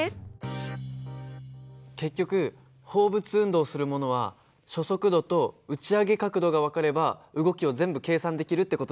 結局放物運動をするものは初速度と打ち上げ角度が分かれば動きを全部計算できるって事だよね。